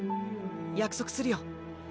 約束するよ。